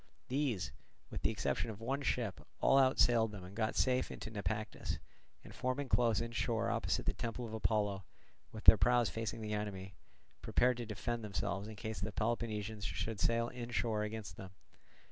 These, with the exception of one ship, all outsailed them and got safe into Naupactus, and forming close inshore opposite the temple of Apollo, with their prows facing the enemy, prepared to defend themselves in case the Peloponnesians should sail inshore against them.